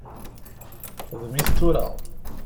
Xdem-it tura.